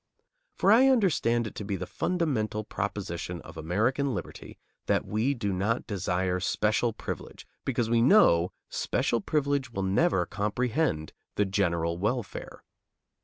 For I understand it to be the fundamental proposition of American liberty that we do not desire special privilege, because we know special privilege will never comprehend the general welfare.